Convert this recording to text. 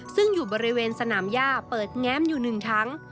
ซึ่งอยู่บริเวณสนามย่าเปิดแง้มอยู่๑ถัง